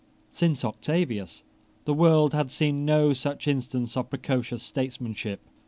Since Octavius the world had seen no such instance of precocious statesmanship.